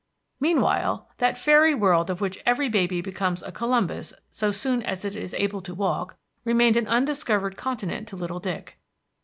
Meanwhile that fairy world of which every baby becomes a Columbus so soon as it is able to walk remained an undiscovered continent to little Dick.